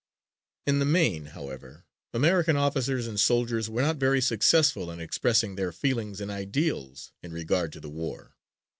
'" In the main, however, American officers and soldiers were not very successful in expressing their feelings and ideals in regard to the war.